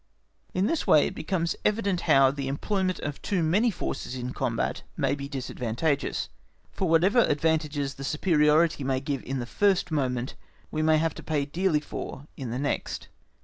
In this way it becomes evident how the employment of too many forces in combat may be disadvantageous; for whatever advantages the superiority may give in the first moment, we may have to pay dearly for in the next.